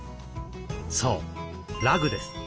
そうラグです。